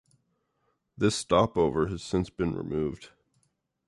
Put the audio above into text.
This stopover has since been removed.